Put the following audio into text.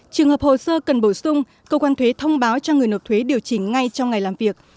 trường hợp hồ sơ cần bổ sung cơ quan thuế thông báo cho người nộp thuế điều chỉnh ngay trong ngày làm việc